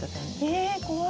え怖い。